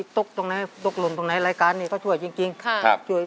ตกตรงไหนตกหล่นตรงไหนรายการนี้ก็ช่วยจริงช่วย